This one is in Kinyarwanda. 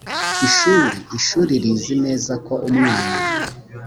ishuri ishuri rizi neza ko umwana